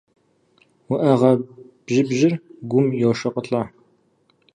УӀэгъэ бжьыбжьыр гум йошыкъылӀэ.